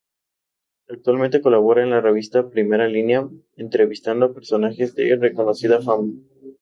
Actualmente colabora en la revista "'Primera Línea"' entrevistando a personajes de reconocida fama.